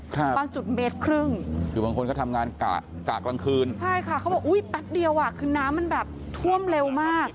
บางจุดเมตรครึ่งคือบางคนก็ทำงานกะกะกลางคืนใช่ค่ะเขาบอกอุ้ยแป๊บเดียวอ่ะคือน้ำมันแบบท่วมเร็วมาก